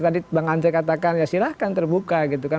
tadi bang andre katakan ya silahkan terbuka gitu kan